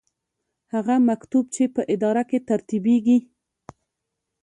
هغه مکتوب چې په اداره کې ترتیبیږي.